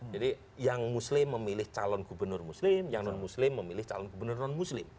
jadi yang muslim memilih calon gubernur muslim yang non muslim memilih calon gubernur non muslim